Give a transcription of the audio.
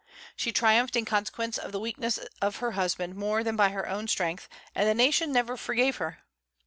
She triumphed in consequence of the weakness of her husband more than by her own strength; and the nation never forgave her.